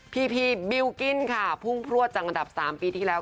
พีพีบิลกิ้นค่ะพุ่งพลวดจังอันดับ๓ปีที่แล้ว